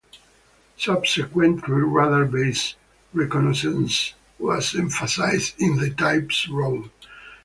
Subsequently, radar-based reconnaissance was emphasised in the type's role.